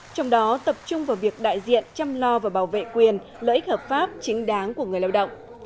trong đó tập trung vào việc đại diện chăm lo và bảo vệ quyền lợi ích hợp pháp chính đáng của người lao động